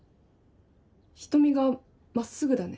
瞳が真っすぐだね。